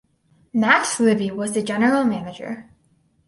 Max Libby was the General Manager.